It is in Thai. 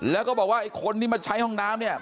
แล้วก็บอกว่าไอ้คนที่มาใช้ห้องน้ำเนี่ย